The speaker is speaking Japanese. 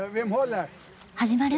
始まる？